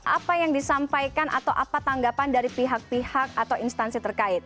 apa yang disampaikan atau apa tanggapan dari pihak pihak atau instansi terkait